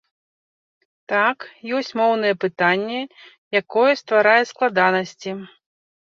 Так, ёсць моўнае пытанне, якое стварае складанасці.